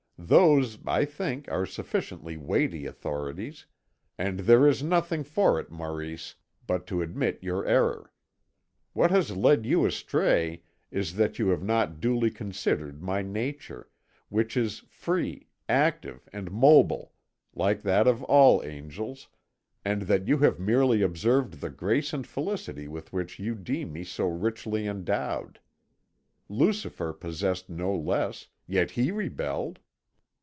Those, I think, are sufficiently weighty authorities, and there is nothing for it, Maurice, but to admit your error. What has led you astray is that you have not duly considered my nature, which is free, active, and mobile, like that of all the angels, and that you have merely observed the grace and felicity with which you deem me so richly endowed. Lucifer possessed no less, yet he rebelled."